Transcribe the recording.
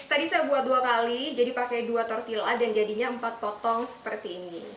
tadi saya buat dua kali jadi pakai dua tortilla dan jadinya empat potong seperti ini